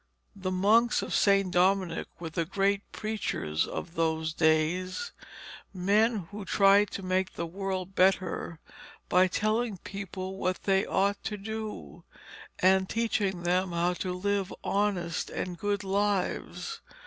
The monks of St. Dominic were the great preachers of those days men who tried to make the world better by telling people what they ought to do, and teaching them how to live honest and good lives.